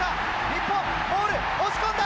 日本モール押し込んだ！